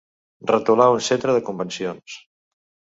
Retolar un centre de convencions.